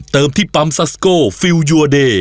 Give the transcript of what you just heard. ที่ปั๊มซัสโกฟิลยูอเดย์